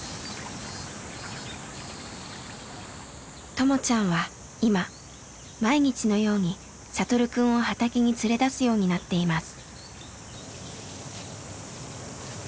ともちゃんは今毎日のように聖くんを畑に連れ出すようになっています。